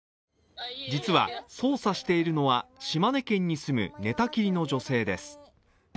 実は、操作しているのは島根県に住む寝たきりの女性です。